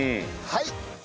はい！